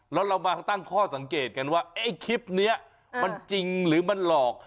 แล้วเรามาตั้งข้อสังเกตกันว่าไอ้คลิปนี้มันจริงหรือมันหลอก